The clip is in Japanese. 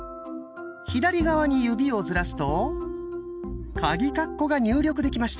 左側に指をずらすとカギカッコが入力できました。